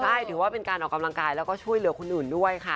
ใช่ถือว่าเป็นการออกกำลังกายแล้วก็ช่วยเหลือคนอื่นด้วยค่ะ